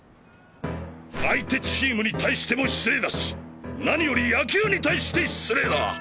相手チームに対しても失礼だし何より野球に対して失礼だ！！